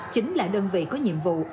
chính là đơn vị có nhiệm vụ